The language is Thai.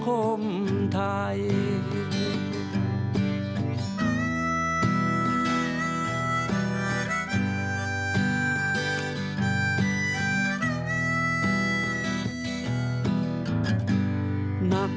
เพลงเพลง